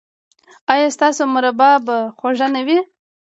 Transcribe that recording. ایا ستاسو مربا به خوږه نه وي؟